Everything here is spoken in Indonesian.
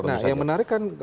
nah yang menarik kan